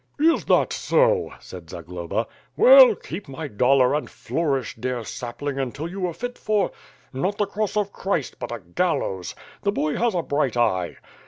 "Is thatso," said Zagloba, "Well, keep my dollar and flourish dear sapling until you are fit for — not the cross of Christ, but a gallows. The boy has a bright eye."